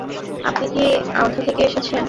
আপনি কি আওধা থেকে এসেছেন?